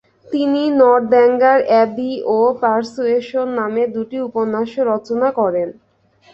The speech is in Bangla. তিনি নরদ্যাঙ্গার অ্যাবি ও পারসুয়েশন নামে দুটি উপন্যাসও রচনা করেন।